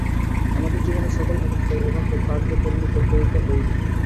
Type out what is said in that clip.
আমাদের জীবনের সকল অবস্থায় উহাকে কার্যে পরিণত করিতে হইবে।